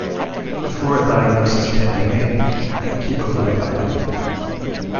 Before a diagnosis can be made, keep a food diary.